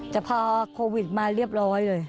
แต่พอโควิดมาเรียบร้อยเลย